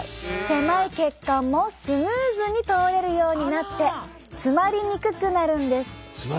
狭い血管もスムーズに通れるようになって詰まりにくくなるんです。